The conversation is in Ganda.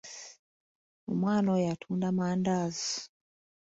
Omwana oyo atunda mandaazi.